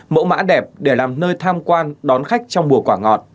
mẫu mã đẹp để làm nơi tham quan đón khách trong mùa quả ngọt